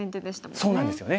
そうなんですよね。